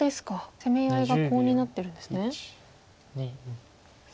攻め合いがコウになってるんですね。